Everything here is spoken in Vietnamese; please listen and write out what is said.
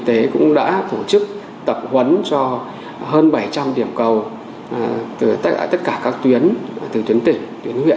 sở y tế cũng đã tổ chức tập huấn cho hơn bảy trăm linh điểm cầu từ tất cả các tuyến từ tuyến tỉnh tuyến huyện